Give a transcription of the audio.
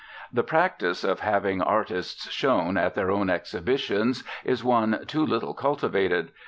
The practice of having artists shown at their own exhibitions is one too little cultivated.